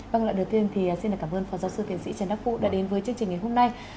vâng lời đầu tiên thì xin cảm ơn phó giáo sư tiến sĩ trần đắc phu đã đến với chương trình ngày hôm nay